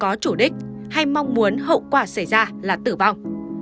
có thể có chủ đích hay mong muốn hậu quả xảy ra là tử vong